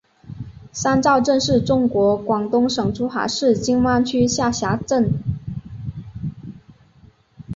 三灶镇是中国广东省珠海市金湾区下辖镇。